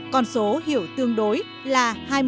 còn số hiểu tương đối là hai mươi